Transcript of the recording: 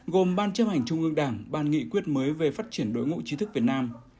gồm ban chấp hành trung ương đảng ban nghị quyết mới về phát triển đối ngũ trí thức việt nam